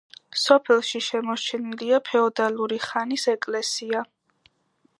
სოფელში შემორჩენილია ფეოდალური ხანის ეკლესია.